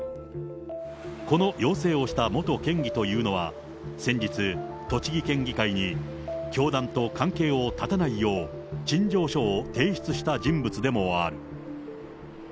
この要請をした元県議というのは、先日、栃木県議会に教団と関係を断たないよう陳情書を提出した人物でもある。